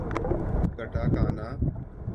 katakana